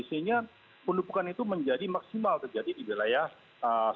sehingga pendupukan itu menjadi maksimal terjadi di wilayah sebagian sumatera